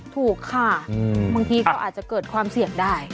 ถูกค่ะบางทีก็อาจจะเกิดความเสี่ยงได้